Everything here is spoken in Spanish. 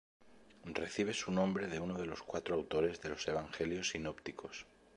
Recibe su nombre de uno de los cuatro autores de los Evangelios sinópticos.